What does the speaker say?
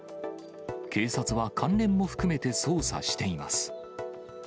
警察は関連も含めて捜査しています。